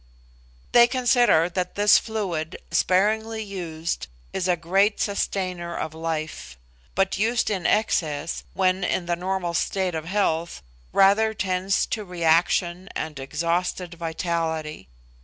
They consider that this fluid, sparingly used, is a great sustainer of life; but used in excess, when in the normal state of health, rather tends to reaction and exhausted vitality.